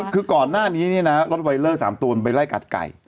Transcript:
คือก่อนหน้านี้รถไวเลอร์๓ตัวมันไปไล่กัดไก่